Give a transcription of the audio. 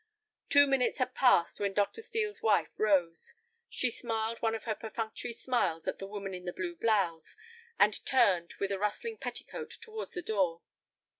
Two minutes had passed when Dr. Steel's wife rose. She smiled one of her perfunctory smiles at the woman in the blue blouse, and turned with a rustling petticoat towards the door.